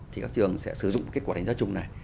thì các trường sẽ sử dụng kết quả đánh giá chung này